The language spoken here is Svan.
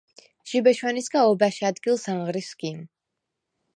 ჟიბე შვა̈ნისგა ობა̈შ ა̈დგილს ანღრი სგიმ.